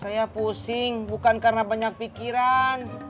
saya pusing bukan karena banyak pikiran